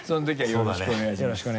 よろしくお願いします。